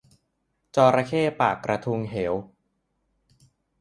จระเข้ปากกระทุงเหว